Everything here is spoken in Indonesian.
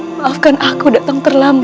maafkan aku datang terlambat